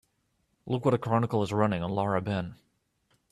Look what the Chronicle is running on Laura Ben.